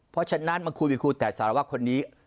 เพราะฉะนั้นมันคุยแต่สารวัตรคนนี้